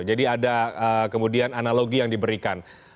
jadi ada kemudian analogi yang diberikan